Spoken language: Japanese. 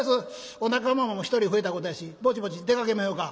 お仲間も１人増えたことやしぼちぼち出かけまひょか」。